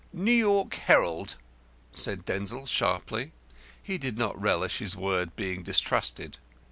"New York Herald" said Denzil, sharply. He did not relish his word being distrusted.